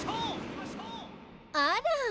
あら。